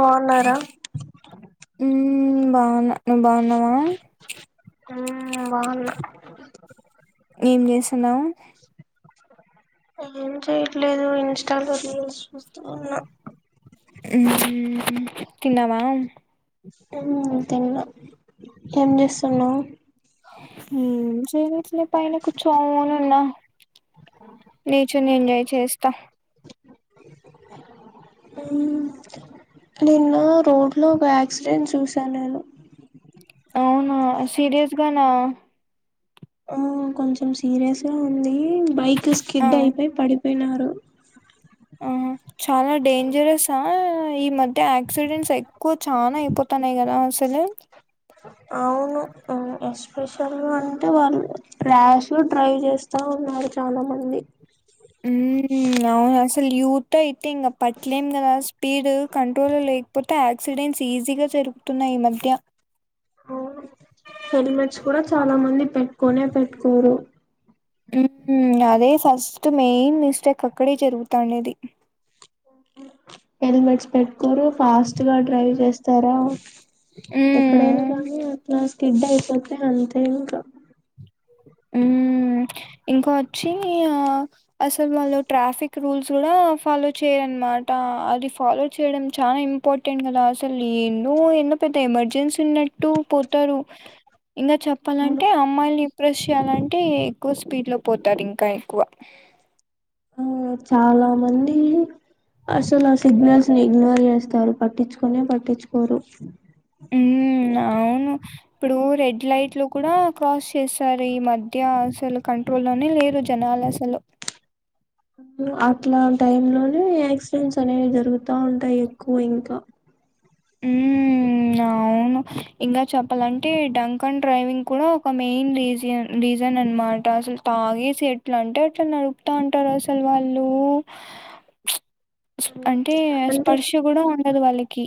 బాగున్నారా ఉమ్ బావున్నా నువ్వు బావున్నావా ఉమ్ బావున్నా. ఏం చేస్ తున్నావ్ ఏం చేయట్లేదు ఇన్స్టాలో రీల్స్ చూస్తూ ఉన్నా మ్మ్ తిన్నావా ఉ తిన్నా ఏం చేస్తన్నావ్ ఏం చేయట్లే పైన కూచ్చోని ఉన్న నేచర్ని ఎంజాయ్ చేస్తా నిన్న రోడ్లో ఒక యాక్సిడెంట్ చూసా నేను అవునా సీరియస్ గానా ఆ కొంచెం సీరియస్ గా ఉంది బైక్ ఆ స్కిడ్ అయిపై పడి వినరు ఆ చాలా డేంజరస్ ఆ ఆ ఈ మధ్య యాక్సిడెంట్సై కు చానా అయిపోతాన్నాయ్ గదా అసలు అవును ఎస్పెషల్ అంటే వాళ్ళు ర్యాష్ లో డ్రైవ్ జేస్తా ఉన్నారు చాలా మంది ఊ అవును అస లు యూతే అయితే ఇంగ పట్టలేం గదా స్పీడ్ కంట్రోల్ లేకపోతే యాక్సిడెంట్స్ ఈజీగా జరుగుతున్నాయి ఈ మధ్య అవును హెల్మెట్స్ కూడా చాలా మంది పెట్టుకొనే పెట్టుకోరు ఉ అదే ఫస్ట్ మెయిన్ మిస్టేక్ అక్కడే జరుగుతానేది [inaudible] హెల్మెట్స్ పెట్టుకోరు ఫాస్ట్ గా డ్రైవ్ చేస్ స్తార ఎక్కడైనా మ్మ్ కానీ అట్లా స్కిడ్ అయిపోతే అంతే ఇంక ఊ ఇంకా వచ్చి ఆ అసలు వాళ్ళు ట్రాఫిక్ రూల్స్ కూడా ఫాలో చేయరు అన్నమాట అది ఫాలో చేయడం చాలా ఇంపార్టెంట్ కదా అసలు ఎన్నో ఎన్నో పెద్ద ఎమర్జెన్సీ ఉన్నట్టు పోతారు ఇంగా అవును చెప్పాలంటే అమ్మాయ్ ల్ని ప్రెష్ జేయాలి అంటే ఎక్కువ స్పీడ్ లో పోతారు ఇంకా ఎక్కువ ఆ చాలా మంది అసలు ఆ సిగ్నల్స్ ని ఇగ్నోర్ చేస్తారు పట్టించుకొనే పట్టించుకోరు ఊ అవును ఇప్పుడు రెడ్ లైట్ లో కూడా క్రాస్ చేస్తారు ఈ మధ్య అసలు కంట్రోల్ ల్లోనే లేరు జనాలు అసలు అట్లా టైం లోనే యాక్సిడెంట్స్ అనేవి జరుగుతా ఉంటాయి ఎక్కువ ఇంక ఉమ్ అవును ఇంకా చెప్పాలంటే డంక్ అండ్ డ్రైవింగ్ కూడా ఒక మెయిన్ రీజ రీజన్ అనమాట అసలు తాగేసి ఎట్లా అంటే అట్లు నడుపుతా ఉంటారు అసలు వాళ్ళు అంటే అంటే స్పర్శ కూడా ఉన్ వుండదు వాళ్లకి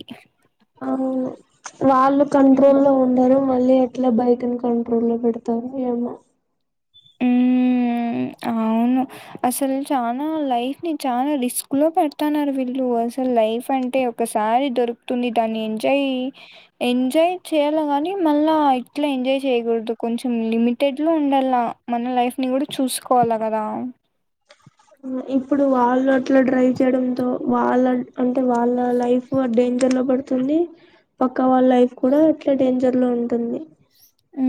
అవును వాళ్ళు కంట్రోల్ లో ఉండరు మళ్ళీ ఎట్లా బైక్ ను కంట్రోల్ లో బెడతారొ ఏమో అవును అసలు చాలా లైఫ్ ని చాలా రిస్క్ లో పెడతున్నారు వీళ్ళు అసలు లైఫ్ అంటే ఒకసారి దొరుకుతుంది దాన్ని ఎంజాయ్ ఎంజాయ్ చేయాల కాని మళ్ళా ఇట్లా ఎంజాయ్ చేయకూడదు కొంచెం లిమిటెడ్ లో ఉండలా మన లైఫ్ ని కూడా చూసుకోవాలా కదా ఇప్పుడు వాళ్ళు అట్లా డ్రైవ్ చేయడంతో వాళ్ళ అంటే వాళ్ళ లైఫ్ డేంజర్ లో పడుతుంది పక్క వాళ్ళ లైఫ్ కూడా అట్లా డేంజర్ లో ఉంటుంది ఉ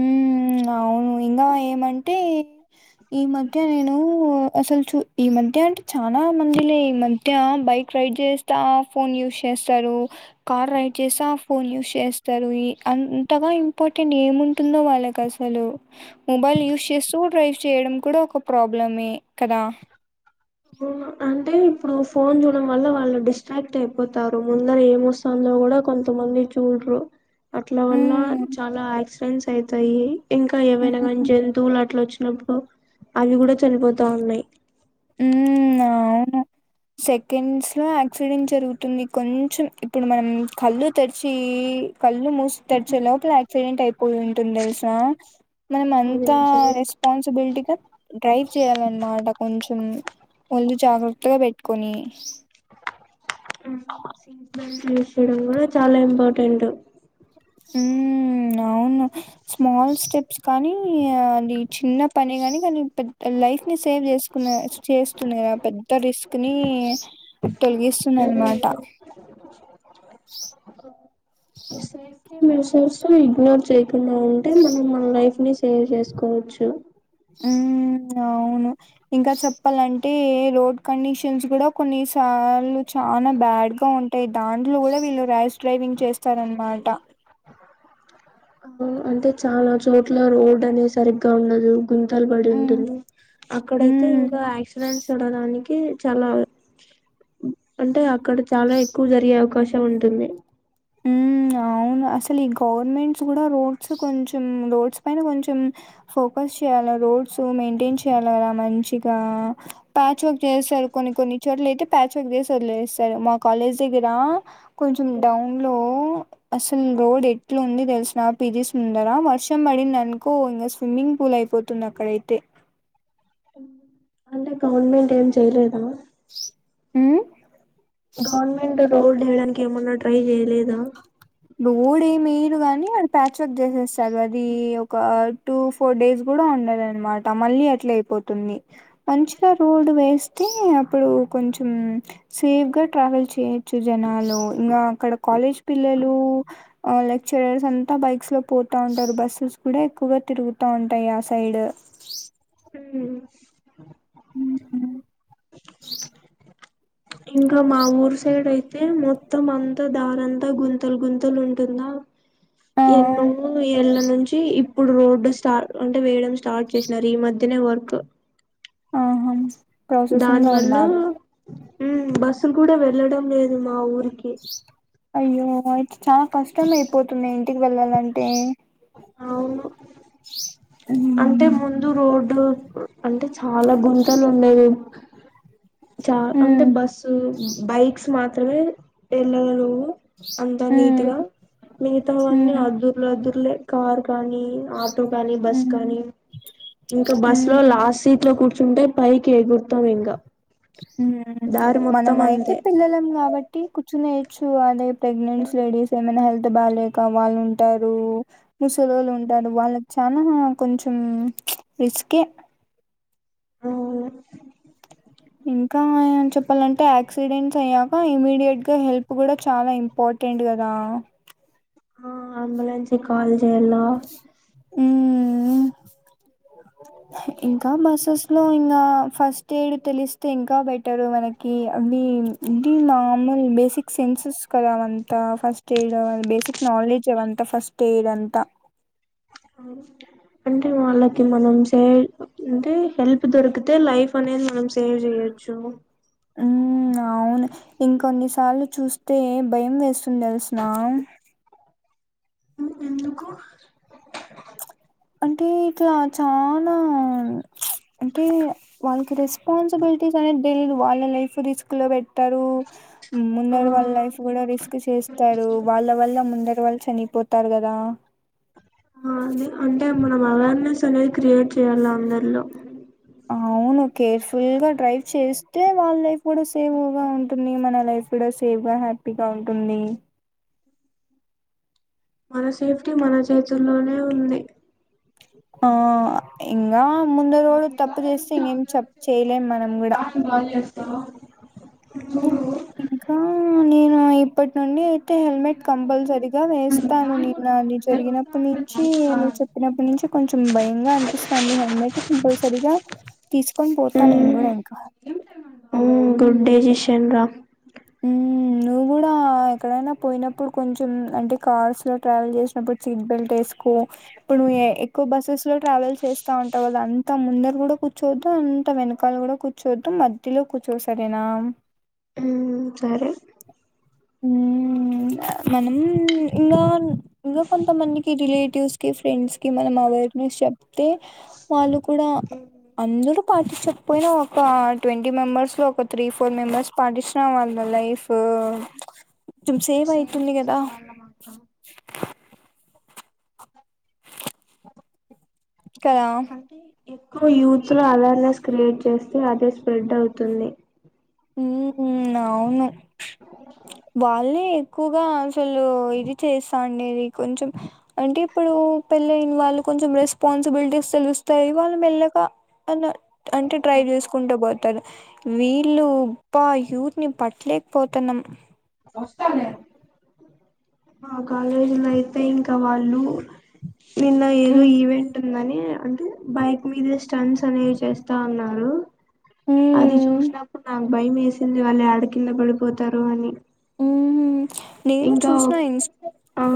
అవును ఇంగా ఏమంటే ఈ మధ్య నేను అసలు చూ ఈ మధ్య అంటే చాలా మందిలే ఈ మధ్య బైక్ రైడ్ చేస్తా ఫోన్ యూస్ చేస్తారు కార్ డ్రైవ్ చేస్తా ఫోన్ యూస్ చేస్తారు అంతగా ఇంపార్టెంట్ ఏము తుందో వాళ్ళకి అసలు మొబైల్ యూస్ చేస్తూ డ్రైవ్ చేయడం కూడా ఒక ప్రాబ్లమే కదా అంటే ఇప్పుడు ఫోన్ చూడడం వల్ల వాళ్ళు డిస్ట్రాక్ట్ అయిపోతారు ముందర ఏమొస్తుందో కూడా కొంతమంది చూడరు అట్ల వల్ల హ్మ్. చాలా యాక్సిడెంట్స్ అయితాయి ఇంకా ఏవైనా హ్మ్. కానీ జంతువులు అట్ల వచ్చి అప్పుడు అవి కూడా చనిపోతా ఉన్నాయి హామ్ అవును సెకండ్స్ లో యాక్సిడెంట్ జరుగుతుంది కొంచెం ఇప్పుడు మనం కళ్ళు తెరిచి కళ్ళు మూసి తెరిచే లోపల డెంట్ అయిపోయి ఉంటుంది తెలుసా మనం అది అంతా నిజమే రెస్పాన్సిబులిటీగా డ్రైవ్ చేయాలన్నమాట ఉంచ వళ్లు జాగ్రత్తగా పెట్టుకొని [inaudible] సీట్ బెల్ట్ యూస్ చేయడం కూడా చాలా ఇంపార్టెంట్ హుమ్ అవును స్మాల్ స్టెప్స్ కానీ అది చిన్న పని కానీ అనీ పె లైఫ్ ని సేవ్ చేసుకునే చేస్తున్నా ఆ పెద్ద రిస్క్ ని తొలగిస్తుంది అన్నమాట తొమ్మిది సంవత్సరాలు ఇగ్నోర్ చెయ్ ఇలా ఉంటే మనం మన లైఫ్ ని సేవ్ చేసుకోవచ్చు ఉమ్ అవును ఇంకా చెప్పాలంన్ అంటే రోడ్ కండిషన్స్ కూడా కొన్నిసార్లు చాలా బ్యాడ్గా ఉంటాయి దాంట్లో కూడా వీళ్ళు ర్యాస్ డ్రైవింగ్ చేస్తారన్నమాట అ అంటే చాలా చోట్ల రోడ్ అనే సరిగ్గా ఉండదు గుంతలు పడి ఉమ్ ఉంటుంది, అక్కడయితే ఉమ్ ఇంకా యాక్సిడెంట్స్ జరగడానికి చాలా అంటే ఇక్కడ చాలా ఎక్కువ జరిగే అవకాశం ఉంటుంది అవును అసలు ఈ గవర్నమెంట్స్ కూడా రోడ్స్ కొంచెం రోడ్స్ పైన కొంచెం ఫోకస్ చేయాల రోడ్స్ మెయింటైన్ చేయ్యాలి కదా మంచిగా ప్యాచ్ వర్క్ చేస్తారు కొన్ని కొన్ని చోట్ల అయితే ప్యాచ్ వర్క్ చేసి వదిలేస్తారు మా కాలేజ్ దగ్గర కొంచెం డౌన్ ఇంట్లో అసలు రోడ్ ఎట్లు ఉంది తెలిసిన పిది సుందరా వర్షం పడింది అనుకో ఇంకా స్విమ్మింగ్ పూల్ అయిపోతుంది అక్కడైతే అంటే గవర్నమెంట్ ఏం చేయలేదా ఊ గవర్నమెంట్ రోడ్ వేయడానికి ఏమన్నా ట్రై చేయలేదా క్క ప్యాచ్ వర్క్ చేసేస్తారు అది ఒక టూ ఫోర్ డేస్ కూడా ఉండదు అనమాట మళ్ళీ అట్లే అయిపోతుంది మంచిగా రోడ్ వేస్తే అప్పుడు కొంచం సేఫ్ గా ట్రావెల్ చేయొచ్చు జనాలు ఇంకా అక్కడ కాలేజ్ పిల్లలు ఊ ఆ లెక్చరర్స్ అంతా బైక్స్ లో పోతా ఉంటారు బస్సెస్ కూడా ఎక్కువగా తిరుగుతా ఉంటాయి ఆ సైడ్ ఊ ఇంకా మా ఊరి సైడ్ అయి అయితే మొత్తం అంతా దారంతా గుంతలు గుంతలు ఉంటుందా ఆ ఎన్నో ఏళ్ళ నుంచి ఇప్పుడు రోడ్డు స్టార్ అంటే వేయడం స్టార్ట్ చేసినారు ఈ మధ్యనే వర్క్ ఆహా ప్రాసెసింగ్ లో ఉందా అది ఊ బస్సులు కూడ వెళ్ళడం లేదు మా ఊరికి అయ్యో అయితే చానా కష్టం అయిపోతుందే ఇంటికి వెళ్ళాలంటే అవును అంటే ముందు రోడ్ రోడ్డు అంటే చాలా గుంతలు ఉండేవే చా అంటే ఉమ్ బస్సు బైక్స్ మాత్ర తనే ఎల్లరు. అంతా నీట్ హ్మ్ గా మిగతావన్నీ హ్మ్ అద్దుర్లు అద్దుర్లే. కార్ కాని ఆట్. ఆటో కానీ, బస్ హ్మ్ కానీ ఇంకా బస్ హ్మ్ లో లాస్ట్ సీట్ లో కూర్చుంటే కూర్చుంటే పైకి ఎగురు ఉ మొత్తం మనమ అయితే అంతే పిల్లలం కాబట్టి కూర్చునే ఛు అదే ప్రెగ్నెంట్స్ లేడీస్ ఏమైనా హెల్త్ బాగాక వాళ్ళు ఉంటారు. ముసలోళ్ళు ఉంటారు. వాళ్ళకి చాలా కొంచెం రిస్కే. అవునా. ఇంకాచెప్పాలంటే యాక్సిడెంట్స్ అయ్యాక ఇమ్మీడియట్ గా హెల్ప్ కూడా చాలా ఇంపార్టెంట్ కదా. ఆ అంబులనెస్ కి కాల్ ఎలా హ్మ్ ఇంకా బస్సెస్ లో ఇంకా ఫస్ట్ ఎయిడ్ తెలిస్తే ఇంకా బెటరు మనకి, అవి ఇవి మామూలు బేసిక్ సెన్సెస్ కదా అవంతా ఫస్ట్ ఎయిడ్ బేసిక్ నాలెడ్జ్ అవంతా ఫస్ట్ ఎయిడ్ అంతా. అంటే వాళ్ళకి మనం సేవ్ అంటే హెల్ప్ దొరికితే లైఫ్ అనేది మనం సేవ్ చేయొచ్చు. మ్ అవును. ఇంకొన్నిసార్లు చూస్తే భయం వేస్తుంది తెలుసునా? ఉ ఎందుకు? అంటే ఇట్లా చాలా అంటే వాళ్ళకి రెస్పాన్సిబిలిటీస్ అనేది తెలియదు. వాళ్ళ లైఫ్ రిస్క్ లో పెట్టారు. ఆ ముందర వాళ్ళ లైఫ్ కూడా రిస్క్ చేస్తారు. వాళ్ళ వల్ల ముందట వాళ్ళు చనిపోతారు కదా? ఆ అండి అంటే మనం అవేర్నెస్ తనది క్రియేట్ చేయాల అందరిలో. అవును కేర్ఫుల్ గా డ్రైవ్ చేస్తే వాళ్ళ లైఫ్ కూడా సేఫ్గా ఉంటుంది. మన లైఫ్ కూడా సేఫ్గా హ్యాపీగా ఉంటుంది. మన సేఫ్టీ మన చేతుల్లోనే ఉంది. ఆ ఇంగా ముంద రోడు తప్పు చేస్తే ఇంకేం చేయలేం మనం కూడా. స [unintelligible] ఇంకా ఆ నేను ఇప్పటి నుండి అయితే హెల్మెట్ కంపల్సరిగా వేస్తాను. నిన్న అది జరిగినప్పుటి నుంచి నువ్వు చెప్పినప్పుటి నుంచి, కొంచెం భయంగా అనిపిస్తాంది. హెల్మెట్ కంపల్సరిగా తీసుకొని పోతాను నేను కూడా ఇంకా ఊ గుడ్ డెసిషన్ రా. ఊ నువ్వు కూడా ఎక్కడైనా పోయినప్పుడు, కొంచెం అంటే కార్స్ లో ట్రావెల్ చేసినప్పుడు సీట్ బెల్ట్ వేసుకో. ఇప్పుడు ఎక్కువ బస్సులో ట్రావెల్ చేస్తా ఉంటావు కదా, అంత ముందర కూడా కూర్చోద్దు అంత వెనకాల కూడా కూర్చోద్దు మధ్యలో కూర్చోసరేనా. మ్ సరే ఉ ఉఊ మనం ఇంగా ఇంకా కొంతమందికి రిలేట్ టివ్స్ కి ప్రెండ్ కి మనం అవేర్నెస్ చె చెప్తే వాళ్ళు కూడా అందరూ పాటించకపోయినా ఒక ట్వెంటీ ట్వంటీ మెంబర్స్ లో ఒక త్రీ ఫోర్ మెంబర్స్ పాటించిన వాళ్ళ లైఫ్ కొంచెం సేవ్ షేర్ అయితుంది కదా చేసిన వాళ్ళ మొత్తం కదా అంటే ఎక్కువ యూత్ లో అవేర్నెస్ క్రియేట్ చేస్తే అదే స్ప్రెడ్ అవుతుంది ఉమ్ అవును వాళ్ళే ఎక్కువగా అసలు ఇది చేస్తా అండేది కొంచెం అంటే ఇప్పుడు పెళ్ళైన వాళ్ళు కొంచెం రెస్పాన్సిబిలిటీస్ తెలుస్తాయి వాళ్ళు మెల్లగా అ అంటే డ్రైవ్ చేసుకుంటూ పోతారు వీళ్ళు అబ్బాయి యూత్ ని పట్టలేకపోతున్నాం మా కాలేజీలో అయితే ఇంకా వాళ్ళు నిన్న ఏదో ఉమ్ ఈవెంట్ ఉందని అన్ బైక్ మీద స్టంస్ అనేవి చేస్తా ఉన్నారు అది ఉమ్ చూసినప్పుడు నా భయం వేసింది వాళ్ళు ఎడ కింద పడిపోతారు అని. ఉమ్ నేను ఇంకా చూసిన ఇన్ ఆ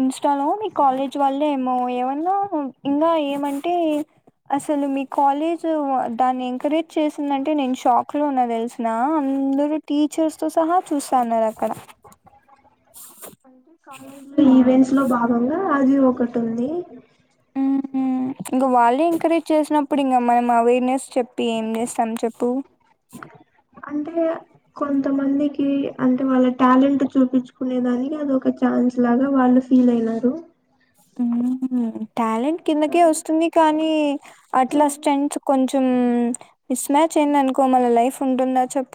ఇన్స్టాలో. కాలేజ్ వాల్లే ఏమో ఏమన్నా ఇంకా ఏమంటే అసలు మీ కాలేజ్ దాన్ని ఎంకరేజ్ చేసిందంటే నేను షాక్ లోన తెలిసిన అందరు. టీచర్స్ తో సహా చూస్తాన్నారు అక్కడ. అంటే కాలేజ్ లో ఈవెంట్స్ లో భాగంగా అది ఒకటి ఉంది. ఉమ్ ఇ గ వల్లే ఎంకరేజ్ చేసినప్పుడు ఇంకా మనం అవేర్నెస్. చెప్పి ఏం చేస్తాం చెప్పు అంటే కొంతమందికి అంటే వాళ్ళ టాలెంట్ చూపించుకునే దానికి అద ఒక ఛాన్స్ లాగా వాళ్ళు ఫీల్ అయినారు. ఉమ్ టాలెంట్ కిందకే కానీ వస్తుంది కానీ అట్లా స్టెంట్ కొంచెం మిస్మ్యాచ్ అయింది అనుకో మన లైఫ్. ఉంటుంద చెప్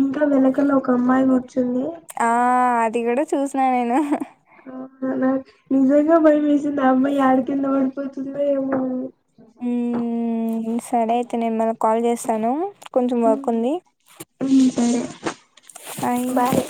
ఇంకా వెనకలో ఒక అమ్మాయి కూర్చుంది ఆ అదే అది కూడా చూసినా నేను నిజంగా బయమేసింది నమ్ యాడ కింద పడుతుంది ఏమో హ సర అయితే న నిమ్ మల్ కాల్ చేస్త సన కొంచెం వర్క్ ఉంది ఉమ్ సరే అ బాయ్